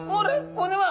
これは。